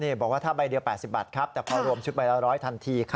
บอกว่าถ้าใบเดียว๘๐บาทครับแต่พอรวมชุดใบละ๑๐๐ทันที